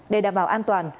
để đảm bảo an toàn